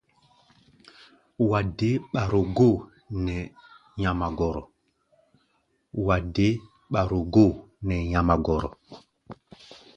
Wa dé ɓaro-góo nɛ nyamagɔrɔ.